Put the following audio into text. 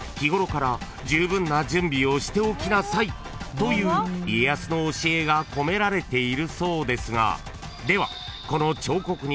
［という家康の教えが込められているそうですがでは］